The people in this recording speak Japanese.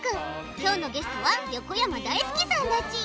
きょうのゲストは横山だいすけさんだち。